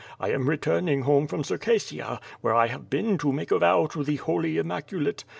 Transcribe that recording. I am returning home from Circassia, where I have been to make a vow to the Holy Immaculate.